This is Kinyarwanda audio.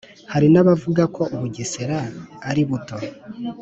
hari n'abavuga ko u bugesera aributo